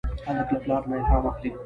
هلک له پلار نه الهام اخلي.